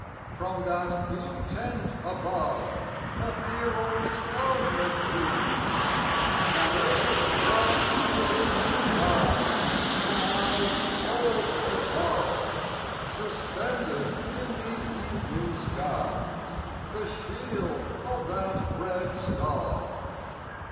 from that blue tent above, A hero's armour gleams. And earnest thoughts within me rise, When I behold afar, Suspended in the evening skies The shield of that red star.